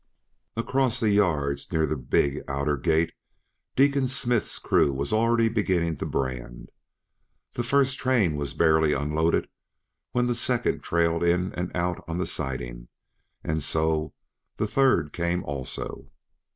Across the yards near the big, outer gate Deacon Smith's crew was already beginning to brand. The first train was barely unloaded when the second trailed in and out on the siding; and so the third came also.